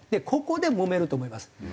ここでもめると思います。